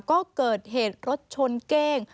ก็เกิดเหตุรถชนเก้ง